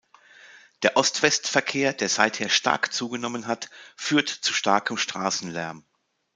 Der Ost-West-Verkehr, der seither stark zugenommen hat, führt zu starkem Straßenlärm.